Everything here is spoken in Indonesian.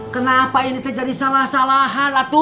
kenapa ini terjadi salah salahan